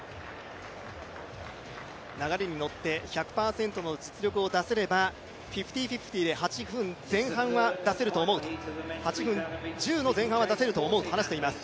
流れに乗って１００％の実力を出せればフィフティーフィフティーで８分前半は出せると思うと８分１０の前半は出せると思うと話しています。